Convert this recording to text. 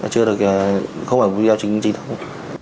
chưa được không phải video chính trinh thống